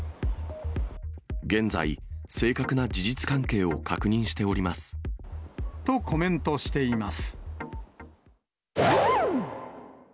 現在、正確な事実関係を確認と、コメントしています。